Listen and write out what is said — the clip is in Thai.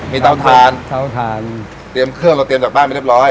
มีเตาทานเตาทานเตรียมเครื่องเราเตรียมจากบ้านไปเรียบร้อย